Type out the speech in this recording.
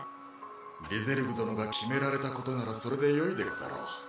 リゼルグ殿が決められたことならそれでよいでござろう。